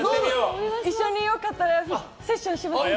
一緒によかったらセッションしませんか？